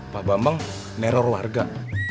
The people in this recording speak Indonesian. pak bambang neror warga